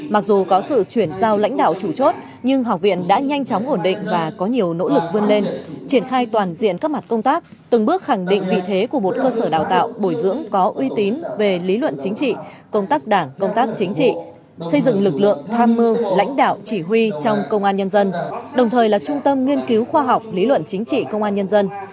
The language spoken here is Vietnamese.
mặc dù có sự chuyển giao lãnh đạo chủ chốt nhưng học viện đã nhanh chóng ổn định và có nhiều nỗ lực vươn lên triển khai toàn diện các mặt công tác từng bước khẳng định vị thế của một cơ sở đào tạo bồi dưỡng có uy tín về lý luận chính trị công tác đảng công tác chính trị xây dựng lực lượng tham mưu lãnh đạo chỉ huy trong công an nhân dân đồng thời là trung tâm nghiên cứu khoa học lý luận chính trị công an nhân dân